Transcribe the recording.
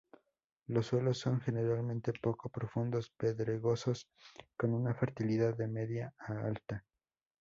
Los suelos son generalmente poco profundos, pedregosos, con una fertilidad de media a alta.